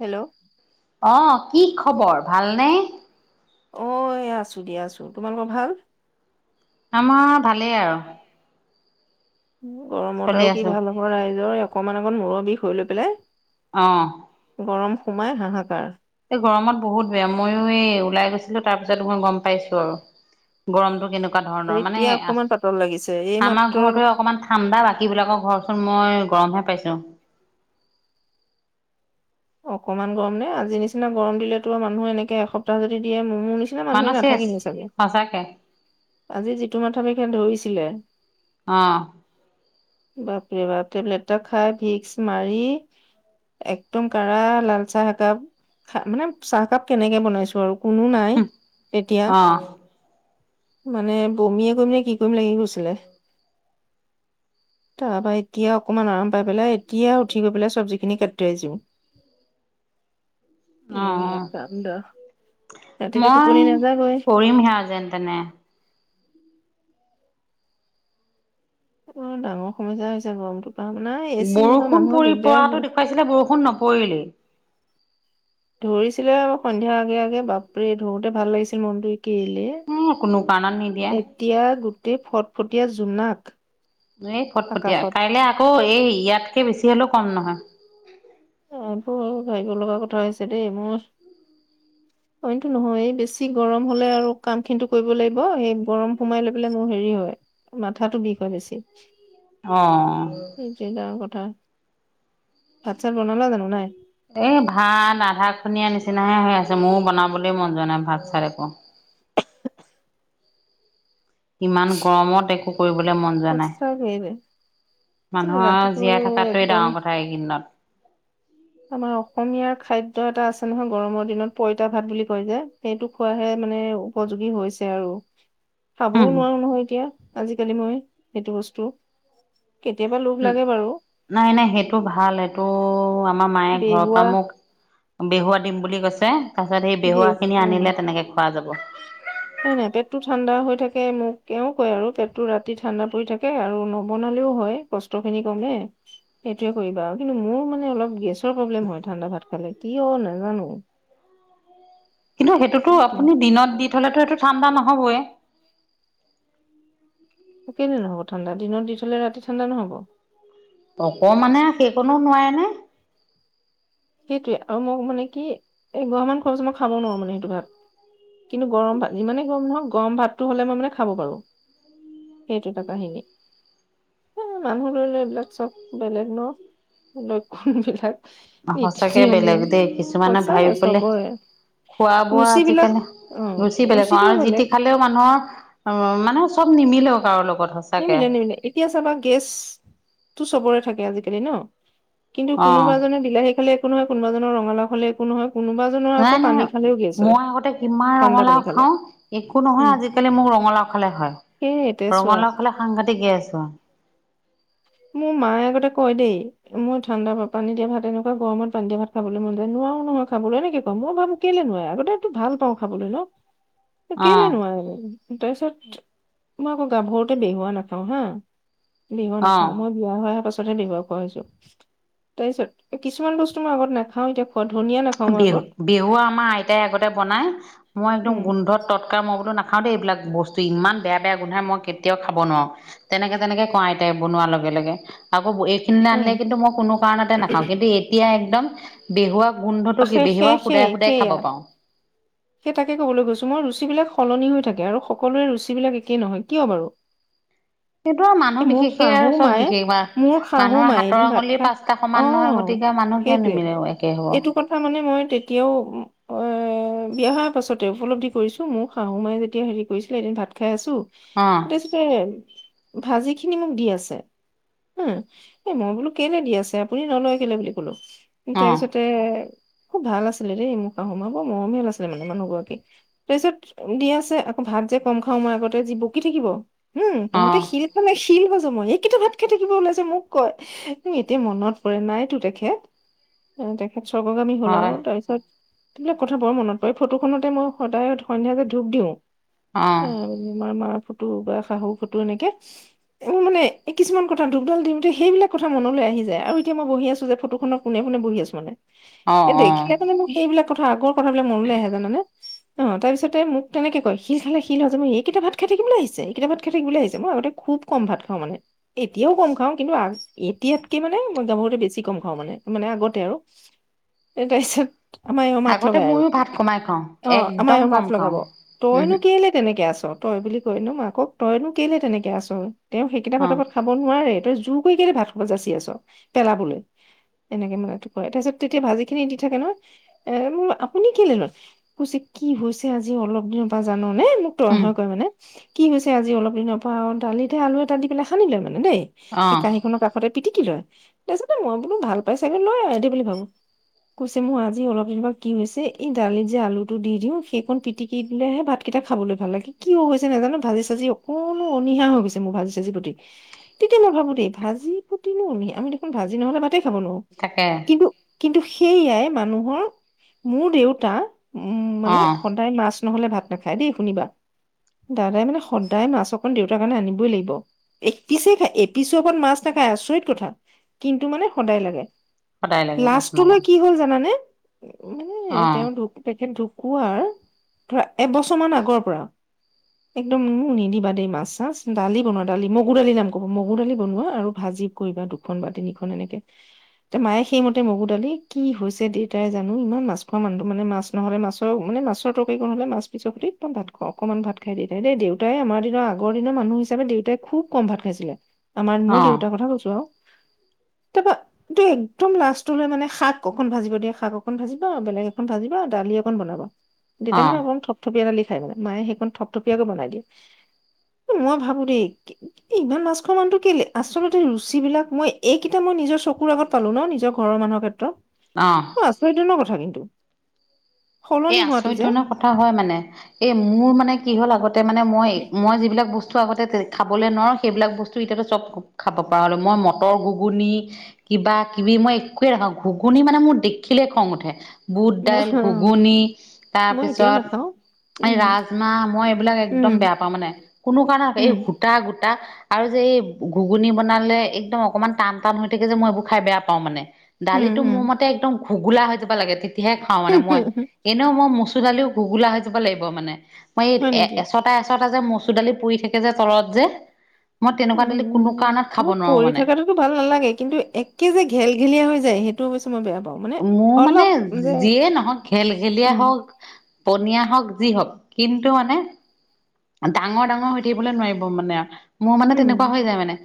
Hello আহ কি খবৰ ভালনে? অ আছো দিয়া আছো। তোমালোকৰ ভাল? আমাৰ ভালেই আৰু। গৰমত চলি আৰু কি আছো। ভাল হ'ব ৰাইজৰ অকনমান অকণমান মূৰৰ বিষ হৈ লৈ পেলায়। আহ। গৰম সোমাই হাঁহাকাৰ। এই গৰমত বহুত বেয়া ময়ো এই ওলাই গৈছোঁ। তাৰ পিছত মই গম পাইছো আৰু গৰমতটো কেনেকুৱা এনেকুৱা ধৰণৰ মানে এতিয়া অকমান পাতল লাগিছে এই আমাৰ মাত্ৰ ঘৰটোৱেই অকমান ঠাণ্ডা বাকী বিলাকৰ ঘৰচোন মই গৰমহে পাইছোঁ। অকনমান গৰম নে আজি নিচিনা গৰম দিলেতো আৰু মানুহে এনেকে এসপ্তাহ যদি দিয়ে মৰি মোৰ নিচিনা মানুহে মানুহ চেচ নাথাকে চাগে। সঁচাকে আজি যিটো মাথা বিষে ধৰিছিলে। আহ। বাপৰে বাপ টেবলেট এটা খাই ভিক্স মাৰি। একদম কাৰা লাল চাহ একাপ খ মানে চাহকাপ কেনেকে বনাইছো আৰু কোনো নাই তেতিয়া। অ মানে বমিয়ে কৰিম নে কি কৰিম লাগি গৈছিলে। [inaudible] তাৰপা এতিয়া অকমান আৰাম পাই পেলাই এতিয়া উঠি গৈ পেলাই চব্জি খিনি কাটি থৈ আহিছো [inaudible] অ অ এইবিলাক কাণ্ড ৰাতিটো মই টোপনি নাযাবই কৰিমহে আৰু যেন তেনে। অ ডাঙৰ সমস্যা হৈছে গৰমটো আপোনাৰ এ চি নোহোৱা বৰষুণ মানুহৰ পৰি দিগদাৰ পৰাটো হয় দেখুৱাইছিলে বৰষুণ নপৰিলেই। ধৰিছিলে সন্ধিয়াৰ আগে আগে বাপৰে ধৰোতে ভাল লাগিছিল মনটো কলে এ কোনো কাৰণত নিদিয়ে। এতিয়া গোটে ফটফটীয়া জোনাক এই ফট পটীয়া আকাশত। কাইলে আকৌ এই ইয়াতকে বেছি হলেও কম নহয় ত ভাবিব লগা কথা হৈছে দেই মোৰ উম অটো নহয় এই বেছি গৰম হলে আৰু কাম খিনিতো কৰিব লাগিব এই গৰম সোমাই লৈ পেলাই মোৰ হেৰি হয় মাথাাতো বিষ হয় বেছি অহ সেইটোৱে ডাঙৰ ভাত চাত বনালা জানো নাই এই ভাত আধা খনিয়া নিচিনাহে হৈ আছে মোৰো বনাবলৈ মন যোৱা নাই ভাত চাত একো ইমান গৰমত একো কৰিবলৈ মন যোৱা নাই সঁচাকৈয়ে যে মানুহ আও ৰাতিটো জীয়াই থকাতোৱে একদম ডাঙৰ কথা এইকেইদিনত আমাৰ অসমীয়াৰ খাদ্য এটা আছে নহয় গৰমৰ দিনত পইতা ভাত বুলি কয় যে সেইটো খোৱাহে মানে উপযোগী হৈছে আৰু খাবও উম, নোৱাৰো নহয় এতিয়া আজিকালি মই সেইটো বস্তু কেতিয়াবা লোভ উম লাগে বাৰু নাই নাই সেইটো ভাল এইটো আমাৰ মায়ে ঘৰ বেহুৱা পা মোক বেহুৱা দিম বুলি কৈছে তাৰ পিছত সেই দে বেহুৱা খিনি উম আনিলে তেনেকে খোৱা যাব নাই নাই পেট টো ঠাণ্ডা হৈ থাকে মোক এওঁ কয় আৰু পেটটো ৰাতি ঠাণ্ডা পৰি থাকে আৰু নবনালে হয় কষ্ট খিনি কমে সেই টোৱেই কৰিবা আৰু কিন্তু মোৰ মানে গেছৰ প্ৰবলেম হয় ঠাণ্ডা ভাত খালে কিয় নাজানো? কিন্তু সেইটোতো আপুনি দিনত দি থ'লে টো এইটো ঠাণ্ডা নহ'বয়ে। কেলে নহ'ব ঠাণ্ডা, দিনত দি থলে ৰাতি ঠাণ্ডা নহ'ব। অকমান হে সেইকনো নোৱাৰে নে? সেইটোৱে আৰু মোক মানে কি এ গৰা মান খোৱা পিছত মই খাব নোৱাৰো মানে সেইটো ভাত। কিন্তু গৰম ভাত যিমানেই গৰম নহওক গৰম ভাতটো হ'লে মই মানে খাব পাৰোঁ। সেইটো এটা কাহিনী। এ মানুহ লৈ লৈ এইবিলাক চব বেলেগ ন লক্ষণ বিলাক। নীতি সঁচাকে নিয়ম বেলেগ বিলাক দেই কিছুমানে ভাব সঁচাকে বোলে চবৰে খোৱা বোৱা ৰুচি বিলাক আজিকালি অ ৰুচি বেলেগ ৰুচিটোও আৰু যি বেলেগ টি খালেও মানুহৰ অ মানে চব নিমিলেও কাৰো লগত। সঁচাকে নিমিলে নিমিলে এতিয়া চাবা গেছটো চবৰে থাকে আজিকালি ন। কিন্তু অ কোনোবাজনে বিলাহী খালে একো নহয়, কোনোবাজনৰ ৰঙালাও খালে একো নহয়। কোনোবা জনৰ আকৌ নাই নাই পানী খালেও গেছ হয় মই আগতে কিমান ঠাণ্ডা পানী ৰঙালাও খালে খাওঁ একো নহয় আজিকালি মোৰ ৰঙালাও খালে হয়। সেইয়ে এতিয়া চোৱা ইফালে সাংঘাটিক গেছ হয়। মোৰ মায়ে আগতে কয় দেই মই ঠাণ্ডা পানী দিয়া ভাত এনেকুৱা গৰম পানী দিয়া ভাত খাবলৈ মন যায় নোৱাৰো নহয় খাবলৈ এনেকে কয় মই ভাবো কেলে কেলে নোৱাৰে আগতেটো ভাল পাওঁ খাবলৈ ন কেলে নোৱাৰিম তাৰপিছত মই আকৌ গাভৰুতে বেহুৱা নাখাও হা অ খাওঁ অ মই বিয়া হৈ অহা পাছত পিছতহে বেহুৱা খোৱা হৈছো তাৰপিছত কিছুমান বস্তু মই আগত নাখাও এতিয়া খোৱা ধনিয়া নাখাওঁ মই বেহু আগত বেহুৱা আমাৰ আইতাই আগতে বনাই মই একদম উম গোন্ধত ততকাৰ মই বোলো না খাওঁ দেই এইবিলাক বস্তু ইমান বেয়া বেয়া গোন্ধাই মই কেতিয়াও খাব নোৱাৰো তেনেকে তেনেকে কও আইতাই বনোৱাৰ লগে লগে আকৌ এইখিনিলে উম আনিলে কিন্তু মই কোনো কাৰণতে নাখাওঁ কিন্তু এতিয়া একদম বেহুৱা গোন্ধটো কি সেই সেই বেহুৱা সেই শুদাই শুদাই খাব সেয়া পাওঁ সেই তাকে কবলৈ গৈছো মই ৰুচিবিলাক সলনি হৈ থাকে আৰু সকলোৰে ৰুচি বিলাক একেই নহয় কিয় বাৰু [unintelligible] সেইটো মানুহ এই মোৰ বিশেষে শাহু আৰু চব মায়ে বিশেষ বা মোৰ শাহু মানুহৰ মায়ে হাতৰ এদিন ভাত আঙলিৰ খাই পাচটা অ', সমান নহয় গতিকে মানুহ কিয় সেইটোৱে নিমিলেও একে হব এইটো কথা মানে মই তেতিয়াও অ বিয়া হোৱাৰ পাছতে উপলব্ধি কৰিছোঁ, মোৰ শাহু মায়ে যেতিয়া হেৰি কৰিছিলে, এদিন ভাত খাই আছোঁ অ তাৰছতে ভাজিখিনি মোক দি আছে। উম, এ মই বোলো কেলে দি আছে, আপুনি নলয় কেলে বুলি কলোঁ। অ তাৰ পিছতে খুব ভাল আছিলে দেই মোৰ শাহু মা, বৰ মৰমীয়াল আছি মানে মানুহগৰাকী। তাৰপিছত দি আছে, আকৌ ভাত যে কম খাওঁ মই আগতে যি বকি থাকিব উম অ তহঁতে [unintelligible] শিল হজম হয়। এই কিটা ভাত খাই থাকিব ওলাইছ মোক কয়। এতিয়া মনত পৰে। নাইতো তেখেত। তেখেত স্বৰ্গগামী হ'ল আৰু। হয় তাৰপিছত সেইবিলাক কথা বৰ মনত পৰে। ফটোখনতে মই সদায় সন্ধিয়া যে ধূপ দিও, এ [unintelligible] আমাৰ মা ফটো বা শাহু ফটো এনেকে, মোৰ মানে এ কিছুমান কথা ধূপডাল দিওঁতে সেইবিলাক কথা মনলৈ আহি যায়। আৰু এতিয়া মই বহি আছোঁ যে, ফটোখনৰ পোনে পোনে বহি আছোঁ মানে। অ অ এ অ দেখিলে মানে মোৰ সেইবিলাক কথা আগৰ কথাবিলাক মনলৈ আহে জানানে। অ' তাৰ পিছতে মোক তেনেকে কয়, শিল খালে শিল হজম হয়, এইকেইটা ভাত খাই থাকিবলৈ আহিছে, এইেকেইটা ভাত খাই থাকিবলৈ আহিছে। মই আগতে খুব কম ভাত খাওঁ মানে। এতিয়াও কম খাওঁ, কিন্তু এতিয়াতকে মানে মই গাভৰুতে বেছি কম খাওঁ মানে। মানে আগতে আৰু। তাৰপিছত আমাৰ এওঁ মাত আগতে লগায় আৰু ময়ো ভাত কমাই খাওঁ অ' আমাৰ একদম এওঁ কম মাত খাওঁ লগাব, তইনো উমহো কেলে তেনে নেকে আছ। তই বুলি কয় ন' মাকক। তইনো কেলে তেনেকে আছ, তেওঁ সেইকেইটা অ ভাত ওপৰত খাব নোৱাৰে। তই জো জোৰ কৰি কেলে ভাত সোপা যাচি আছ পেলাবলৈ এনেকে মানুহটো কয়। তাৰপিছত তেতিয়া ভাজিখিনি দি থাকে নহয়, এ মো- আপুনি কেলে লয়। কৈছে কি হৈছে আজি অলপ দিনৰ পৰা জাননে, মোক তই উম হৈ কয় মানে কি হৈছে আজি অলপ দিনৰ পৰা আৰু দালিতে আলু এটা দি পেলাই সানি লয় মানে দেই। অ এই কাঁহীখনৰ কাষতে পিটিকি লয়। তাৰপিছতে মই বোলো ভাল পাই চাগে, লয় আৰু বুলি ভাবোঁ কৈছে মোৰ আজি অলপ দিনৰপৰা কি হৈছে এই দালিত যে আলুটো দি দিও সেইকণ পিটিকি দিলেহে ভাত কেইটা খাবলৈ ভাল লাগে। কিয় হৈছে নাজানো? ভাজে-চাজি অকনো অনীহা হৈ গৈছে, মোৰ ভাজি-চাজি প্ৰতি। তেতিয়া মই ভাবো দেই ভাজি প্ৰতিনো আমি দেখোন ভাজি নহ'লে ভাত তেই খাব নোৱাৰো, তাকে কিন্তু কিন্তু সেইয়াই মানুহৰ মোৰ দেউতা উম, অ মানে সদায় মাছ নহলে ভাত নাখায় দেই শুনিবা। দাদাই মানে সদায় মাছ অকন দেউতাৰ কাৰণে আনিবই লাগিব। এক পিছেই খাই এপিছৰ ওপৰত মাছ না খায়, আচৰিত কথা কিন্তু মানে সদায় লাগে। সদায় লাগে অকণ লাষ্টলৈ অকণ কি হ'ল জানানে? মানে অ'। তেওঁ ঢু তেখেত ঢুকোৱাৰ ধৰা এবছৰ মান আগৰ পৰা, একদম মোক নিদিবা দেই মাছ-চাছ, দালি বনোৱা দালি মগু দালি নাম কব মগু দালি বনোৱা আৰু ভাজ জি, কৰিবা দুখন বা তিনিখন এনেকে। তে' মায়ে সেইমতে মগু দালি, কি হৈছে দেতাই জানো ইমান মাছ খোৱা মানটো মানে মাছ নহলে মাছৰ মানে মাছৰ তৰকাৰী [unintelligible] দেউতাই আমাৰ দিনৰ আগৰ দিনৰ মানুহ হিচাপে দেউতাই খুব কম ভাত খাইছিলে। আমাৰ মোৰ অ দেউতাৰ কথা কৈছো আও। তাৰপা এইটো একদম লাষ্টলৈ মানে শাক অকন ভাজিব দিয়ে শাক অকন ভাজিবা বেলেগ এখন ভাজিব আৰু দালি একন বাবা অ তেতিয়া মানে অলপ থপথপীয়া ডালি খাই মানে মায়ে সেইখন থপথপিয়াকে বনাই দিয়ে মই ভাবো দেই ইমান মাছখ মানতটো কেলে আচলতে ৰুচি বিলাক মই এইকেইটা মই নিজৰ চকুৰ আগত পালো ন নিজৰ ঘৰৰ মানুহৰ ক্ষেত্ৰ অ আচৰিত ধৰণৰ কথা কিন্তু এ সলনি হোৱাটো আচৰিত যে ধৰণৰ কথা হয় মানে এই মোৰ মানে কি হ'ল আগতে ত মানে মই মই যিবিলাক বস্তু আগতে খাবলে নোৱাৰো সেইবিলাক বস্তু এতিয়াাতো চব খাব পৰা হ'ল মই মটৰ গুগুনি কিবা কিবি মই একোৱে নখাওঁ ঘুগুনী মানে মোৰ দেখিলে খং উঠে বুট মই দাইল ঘ ঘূগুণী মই এতিয়াও তাৰপিছত নাখাও এই উম ৰাজমাহ মই এইবিলাক একদম উম বেয়া পাওঁ মানে কোনো কাৰণৰ এই উম সূতা গো এটা আৰু যে এই ঘুগুনি বনালে একদম অকমান টান টান হৈ থাকে যে মই এইবোৰ খাই বেয়া পাওঁ মানে উম দালিটো উম মোৰ মতে একদম ঘুগোলা হৈ যাব লাগে তেতিয়াহে খাওঁ মানে মই এনেও মই মচুৰ দালিও ঘুগোলা হৈ যাব লাগিব মানে মই এই হয় নেকি এচটা এচটা এচটা যে মচুৰ দালি পৰি থাকে যে তলত যে মই তেনেকুৱা উম দালি কোনো উম কাৰণত ন খাব নোৱাৰো পঢ়ি মানে থকাটোতো ভাল নালাগে কিন্তু একে যে ঘেলঘেলীয়াা হৈ যায় সেই মোৰ মানে যে যিয়ে নহওক ঘেল ঘেলিয়া উম হওক পনীয়া হওক যি হওক কিন্তু মানে ডাঙৰ ডাঙৰ হৈ থাকিবলে নোৱাৰিব মানে মোৰ মানে তেনেকুৱা উম হৈ যায় মানে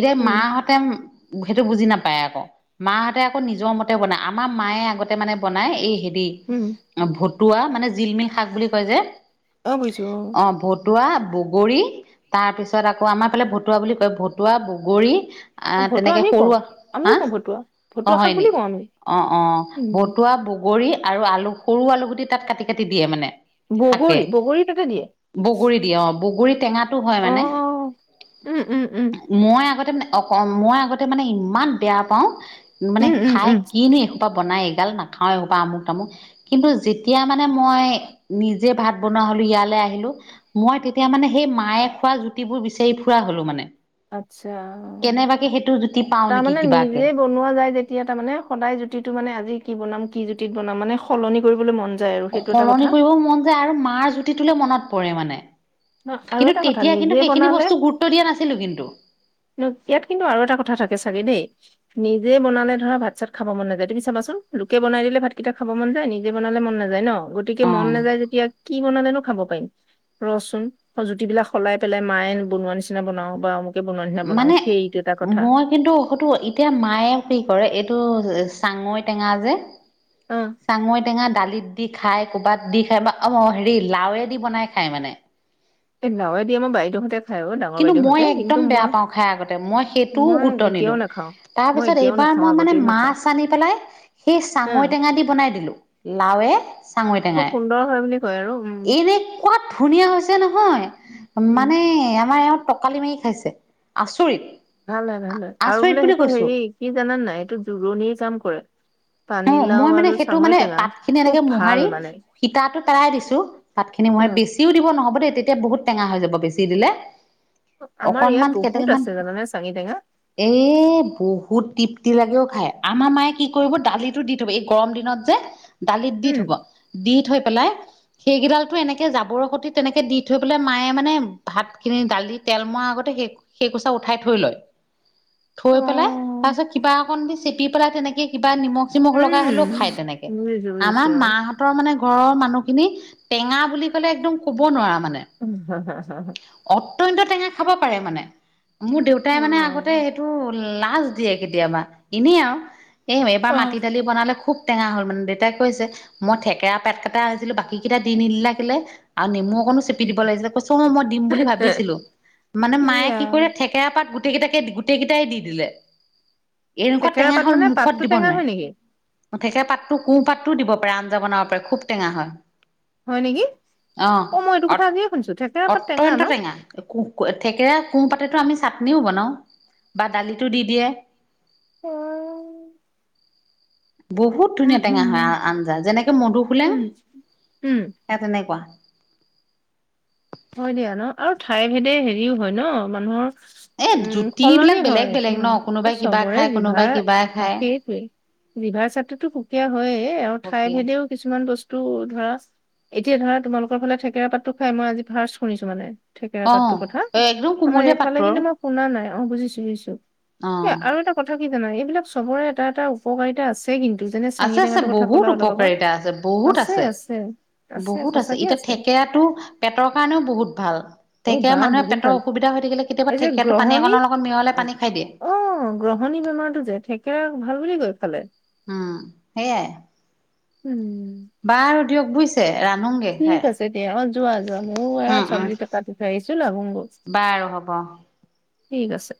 ইতি উম মাহঁতে সেইটো বুজি নাপায় আকৌ মাহঁতে আকৌ নিজৰ মতে বনায় আমাৰ মায়ে আগতে মানে বনাই এই উম ভতুৱা মানে জিলমিল শাক বুলি কয় যে অ বইছো অ ভতুৱা বগৰী তাৰ পিছত আকৌ আমাৰ ফালে ভতুৱা বুলি কয় ভতুৱা বগৰী অ আহ ভতুৱা তেনেকে আমিও কওঁ সৰুৱ হা আমিও কওঁ ভতুৱা অ ভতুৱা শাক হয়নি বুলি কওঁ আমি অঁ অঁ উম ভতুৱা বগৰী আৰু আলু সৰু আলুগুটি তাত কাটি কাটি দিয়ে মানে শাকে বগৰী বগৰী তাতে দিয়ে বগৰী টেঙাো বগৰী টেঙাটো হয় অ মানে অ উম উম উম মই আগ অ মই আগতে মানে ইমান বেয়া পাও মানে উম উম খাই উম কিনো বনাই এইগাল নাখাও এপা আমুক তামুক কিন্তু যেতিয়া মানে মই নিজে ভাত বনোৱা হলো ইয়ালৈ আহিলো মই তেতিয়া মানে সেই মায়ে খোৱা জুতিবোৰ বিচাৰি ফুৰা হলো মানে আচ্ছা কেনেবাকে সেইটো জুতি পাও তাৰ নেকি মানে কিবাকে নিজে বনোৱা যায় যেতিয়া তাৰ মানে সদায় জুতিটো মানে আজি কি বনাম সি জুতিত বনাম মানে সলনি কৰিবলৈ মন যায় আৰু সেইটো এটা সলনি কথা কৰিব মন যায় আৰু মাৰ জুঠি তুলৈ মনত পৰে মানে ন আৰু কিন্তু এটা কথা তেতিয়া নিজে কিন্তু সেইখিনি বনালে বস্তু গুৰুত্ব দিয়া নাছিলো কিন্তু ন ইয়াত কিন্তু আৰু এটা কথা থাকে চাগে দেই নিজে বনালে ধৰা ভাত চাত খাব মন নাযায় তুমি চাবাচোন লোকে বনাই দিলে ভাতকেইটা খাব মন যায় নিজে বনালে মন নাযায় ন গতিকে অ মন নাযায় যেতিয়া কি বনালেনো খাব পাৰিম ৰচুন জুতি বিলাক সলাই পেলাই মায়ে বনোৱা নিচিনা বনাও বা অমুকে বনোৱা নিচিনা বনাও মানে সেইটো এটা কথা মই কিন্তু সটো এতিয়া মায়ে কি কৰে টো চাঙৈ টেঙা যে অ চাঙৈ টেঙা দালিত দি খাই ক'ৰবাত দি খায় বা অ হেৰি লাওে দি বনাই খায় মানে এ লাওে দি আমাৰ বাইদউহঁতে কিন্তু মই একদম বেয়া পাওঁ খাই আগতে মই সেইটোও মই গুৰুত্ব এতিয়াও নিদিওঁ নাখাও তাৰ মই পিছত এতিয়াও এইবাৰ নাখাও মই মানে আগতেও নাখাও মাছ আনি পেলাই সেই উম চাঙৈ টেঙা দি বনাই দিলো লাওে চাঙৈ খুব টেঙাই সুন্দৰ হয় বুলি কয় আৰু উম এনেকুৱাত ধুনীয়া হৈছে নহয় নহয় উম মানে আমাৰ এওঁ টকালি মাৰি খাইছে আচৰিত ভাল হয় ভাল হয় আৰু আচৰিত বোলে বুলি সেইটো কৈছোঁ হেৰি কি জানে নাই এইটো জোৰণিৰ কাম কৰে অ পানীলাও মই মানে আৰু সেইটো চাঙৈ মানে টেঙা পাত খিনি খুব এনেকে ভাল মোহাৰি মানে সীতাটোত এৰাই দিছো পাত খিনি মই উম বেছিও দিব নহ'ব দেই তেতিয়া বহুত টেঙা হৈ যাব বেছি দিলে। আমাৰ ইয়াত বহুত আছে জানানে চাঙি তা এই বহুত তৃপ্তি লাগে অ খাই আমাৰ মায়ে কি কৰিব দালিটো দি থব এই গৰম দিনত যে দালিত দি উম থব দি থৈ পেলাই সেইকেইডালো এনেকে জাবৰৰ সতে তেনেকে দি থৈ পেলাই মায়ে মানে ভাতখিনি ডাল দি তেল মৰা আগতে সে সেইকচা উঠাই থৈ লয় থৈ পেলাই তাৰ উম পিছত কিবা অকন দি চেপি পেলাই তেনেকে কিবা নিমখ নিমখ লগাই হলেও খাই তেনেকে বুজিছো আমাৰ বুজিছো মাহঁতৰ মানে ঘৰৰ মানুহখিনি টেঙা বুলি ক'লে একদম ক'ব নোৱাৰা মানে। উম হা হা হা হা টেঙা খাব পাৰে মানে মোৰ অ দেউতাই মানে আগতে এটো লাজ দিয়ে কেতিয়াবা এনেই আৰু এই এবাৰ অ মাত বনালে খুব টেঙা হ'ল মানে দেউতাই কৈছে মই ঠেকেৰা পাত কেইটা আছিলো বাকী কেইটা দি নিদিলা কেলে আৰু নেমু অকনো চেপি দিব লাগিছিল কৈছ অ মই দিম বুলি ভাবিছিলো মানে মায়ে ইয়া কি কৰিলে থেকেৰা পাত গোট গোটেই কেইটাকে গোটেই কেইটাই দি দিলে এনেকুৱা থেকেৰা টেঙা পাত হল মানে মুখত পাতটো দিব টেঙা নোৱাৰে হয় নেকি ঠেকেৰা পাতটো কুহঁ পাতটোও দিব পাৰে আঞ্জা বনাবওতে খুব টেঙা হয় হয় নিকি অ অট এত্যন্ত্ টেঙা এ কুহ থেকেৰা কোহঁ পাতেতো আমি চাটনিও বনাওঁ বা দালিটো দি দিয়ে অ বহুত উম ধুনীয়া উম টেঙা হয় আঞ্জা যেনেকে মধু হোলেং উম উম সে তেনেকুৱা হয় দিয়া ন আৰু ঠাই ভেদে হেৰিও হয় ন মানুহৰ এ উম, জুতি বিলাক সলনি বেলেগ হয়, বেলেগ উম, ন এ কোনোবাই কিবা চবৰে খায় কোনোবাই জিভাৰ, কিবা খায় সেইটোৱেই, জিভাৰ স্বিদটোতো সুকীয়া হয়েই, আৰু ঠাই হকিয়ে ভেদেও কিছুমান বচ তু ধৰা, এতিয়া ধৰা তোমালোকৰ ফালে থেকেৰা পাতটো খাই, মই আজি ফাৰ্ষ্ট শুনিছো মানে থেকেৰা অ পাতটোৰ কথা, একদম আমাৰ কোমলীয়া এইফালে পাতটো আৰু কিন্তু মই শুনা নাই। অ' বুজিছো, বুজিছো। অ এ, আৰু এটা কথা কি জানা, এইবিলাক চবৰে এটা এটা উপকাৰিতা আছে। ছে কিন্তু, যেনে চাঙি আছে আছে টেঙাটোৰ কথা বহুত ক'লা অলপ আগত, উপকাৰিতা আছে বহুত আছে, আছে, আছে, সঁচাকে আছে। থেকেৰাটো পেটৰ কাৰণেও বহুত ভাল। ঐ থেকেৰা বা মানুহে বহুত পেটৰ ভাল অসুবিধা হৈ থাকিলে কেতিয়াবা এই যে থেকেৰাটো পানী গ্ৰহণী অকণৰ লগত মিহলাই পানী খাই দিয়ে। অ গ্ৰহণী বেমাৰটো যে, থেকেৰা ভাল বুলি কয়। উম, সেইয়াই উম বাৰু দিয়ক বুইছে ঠিক আছে দিয়া, অ যোৱা, যোৱা। ময়ো এয়া উম উম চব্জি কাটি থৈ আহিছো, লাগোংগৈ। বাৰু হ'ব। ঠিক আছে।